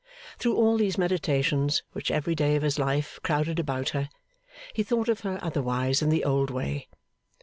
Through all these meditations which every day of his life crowded about her, he thought of her otherwise in the old way.